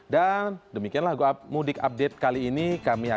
dan demikianlah mudik update kali ini